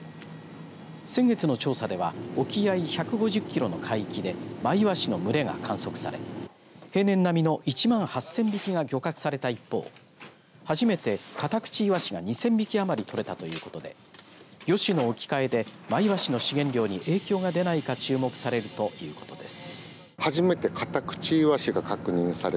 先月の調査では沖合１５０キロの海域でマイワシの群れが観測され平年並みの１万８０００匹が漁獲された一方初めてカタクチイワシが２０００匹余り捕れたということで魚種のおきかえで、マイワシの資源量に影響が出ないか注目されるということです。